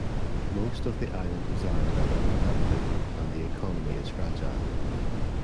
Most of the island is arid and uninhabited and the economy is fragile.